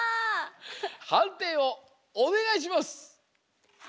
はんていをおねがいします！